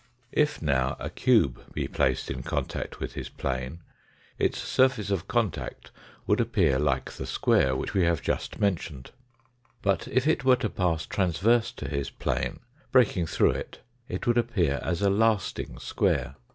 If, now, a cube be placed in contact with his plane, its surface of contact would appear like the square which we RECAPITULATION AND EXTENSION 207 have just mentioned. But if it were to pass transverse to his plane, breaking through it, it would appear as a lasting square.